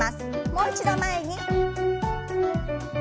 もう一度前に。